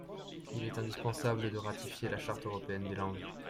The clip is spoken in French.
Il est indispensable de ratifier la Charte européenne des langues.